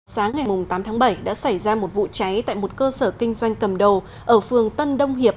sáng ngày tám tháng bảy đã xảy ra một vụ cháy tại một cơ sở kinh doanh cầm đồ ở phường tân đông hiệp